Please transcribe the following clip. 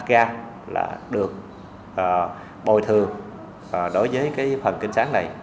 tuy nhiên bà con đặt ra là được bồi thường đối với phần kinh sáng này